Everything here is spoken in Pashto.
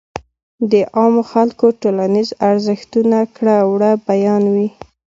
د عامو خلکو ټولنيز ارزښتونه ،کړه وړه بيان وي.